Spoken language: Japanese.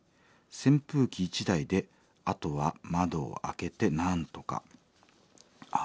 扇風機１台であとは窓を開けてなんとか。